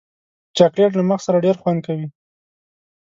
چاکلېټ له مغز سره ډېر خوند کوي.